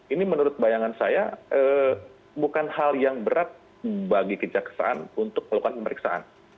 ini menurut bayangan saya bukan hal yang berat bagi kejaksaan untuk melakukan pemeriksaan